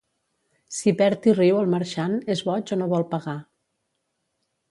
Si perd i riu el marxant, és boig o no vol pagar.